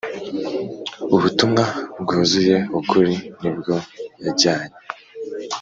ubutumwa bwuzuye ukuri nibwo yajyanye